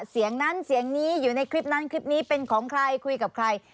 เสียงนั้นเสียงนี้อยู่ในคลิปนั้นคลิปนี้เป็นของใครคุยกับใคร